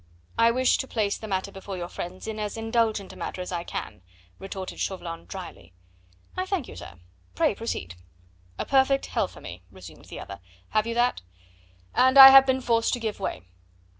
"I wish to place the matter before your friends in as indulgent a manner as I can," retorted Chauvelin dryly. "I thank you, sir. Pray proceed." "...'a perfect hell for me,'" resumed the other. "Have you that? ... 'and I have been forced to give way.